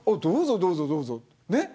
どうぞ、どうぞと。